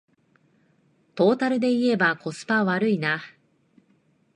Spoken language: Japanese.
トータルでいえばコスパ悪いな